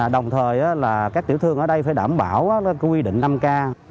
đồng thời là các tiểu thương ở đây phải đảm bảo quy định năm k